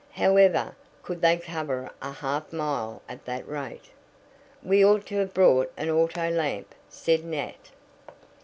However, could they cover a half mile at that rate? "We ought to have brought an auto lamp," said Nat.